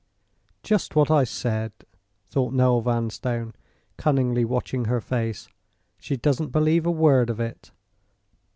"Just what I said!" thought Noel Vanstone, cunningly watching her face; "she doesn't believe a word of it!"